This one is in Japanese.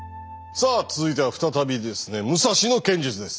さあ続いては再びですね武蔵の剣術です。